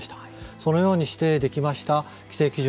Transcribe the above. そのようにしてできました規制基準